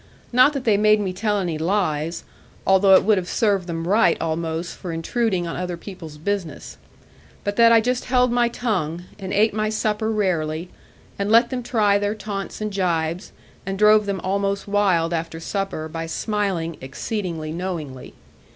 Not that they made me tell any lies, although it would have served them right almost for intruding on other people's business; but that I just held my tongue, and ate my supper rarely, and let them try their taunts and jibes, and drove them almost wild after supper, by smiling exceeding knowingly.